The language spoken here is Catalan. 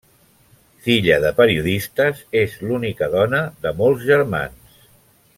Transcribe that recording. Filla de periodistes, és l'única dona de molts germans.